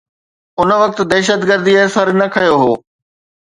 ان وقت دهشتگرديءَ سر نه کنيو هو.